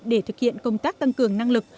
để thực hiện công tác tăng cường năng lực